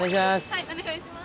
はいお願いします。